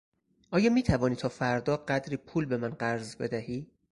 آیا میتوانی تا فردا قدری پول به من قرض بدهی؟